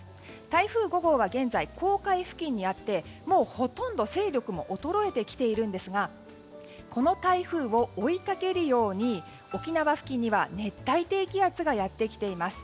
台風５号は現在黄海付近にあってもうほとんど勢力も衰えてきているんですがこの台風を追いかけるように沖縄付近には熱帯低気圧がやってきています。